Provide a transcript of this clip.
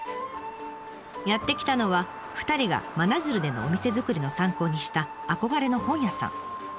やって来たのは２人が真鶴でのお店作りの参考にした憧れの本屋さん。